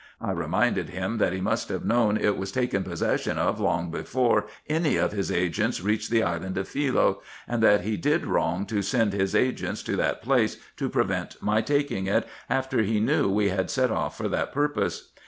I reminded him that he must have known it was taken possession of long before any of his agents reached the island of Philoe ; and that he did wrong to send his agents to that place to prevent my taking it, after he knew we had set off for that purpose.